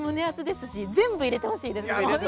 アツですし全部入れてほしいです。